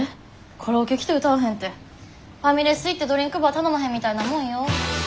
カラオケ来て歌わへんってファミレス行ってドリンクバー頼まへんみたいなもんよ。